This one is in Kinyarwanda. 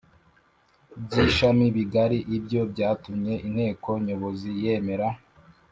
By ishami bigari ibyo byatumye inteko nyobozi yemera